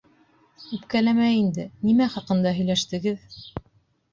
Үпкәләмә инде, нимә хаҡында һөйләштегеҙ?